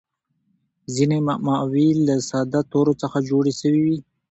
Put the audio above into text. ځیني معماوي له ساده تورو څخه جوړي سوي يي.